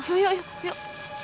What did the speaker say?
yuk yuk yuk